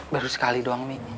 baru sekali doang mi